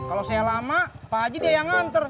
kalau saya lama pak haji dia yang nganter